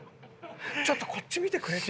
ちょっとこっち見てくれてたね。